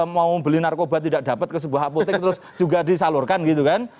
mau beli narkoba tidak dapat ke sebuah apotek terus juga disalurkan gitu kan